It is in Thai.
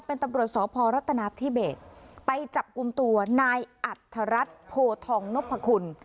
เป็นตำรวจสพรัฐนาธิเบสไปจับกลุ่มตัวนายอัธรัฐโพทองนพคุณ